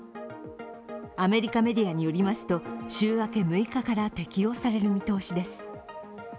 アメリカメディアによりますと、週明け６日から適用される見通しです。